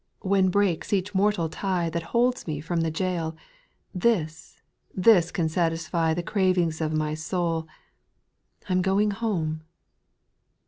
848 SPIRITUAL S0N08, 7, When breaks each mortal tie That holds me from the goal, This, this can satisfy The cravings of my soul, — I 'm going home.